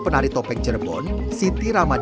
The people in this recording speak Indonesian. penari topeng cirebon siti ramadan